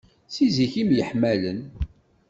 Si zik i myeḥmalen.